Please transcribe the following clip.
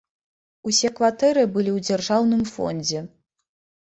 Усе кватэры былі ў дзяржаўным фондзе.